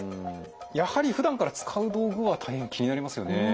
やはりふだんから使う道具は大変気になりますよね。